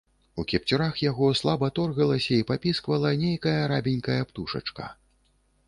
У кіпцюрах яго слаба торгалася і папісквала нейкая рабенькая птушачка.